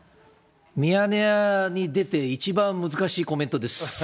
ミヤネ屋に出て、一番難しいコメントです。